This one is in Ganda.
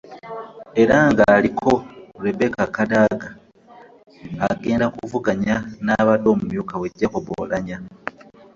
Era nga aliko Rebecca Kadaga agenda kuvuganya n'abadde omumyuka we Jacob Oulanyah